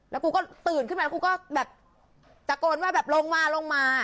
แล้วกูก็ตื่นขึ้นมากูก็แบบตะโกนว่าแบบลงมาลงมา